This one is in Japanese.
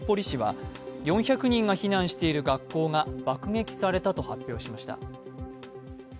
市は４００人が避難している学校が爆撃されたと発表しました。